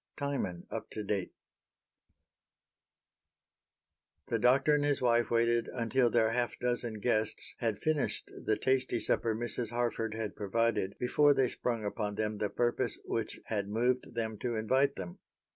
Timon Up To Date The Doctor and his wife waited until their half dozen guests had finished the tasty supper Mrs. Harford had provided before they sprung upon them the purpose which had moved them to invite them.